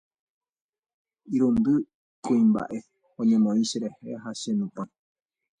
Irundy kuimbaʼe oñemoĩ cherehe ha chenupã.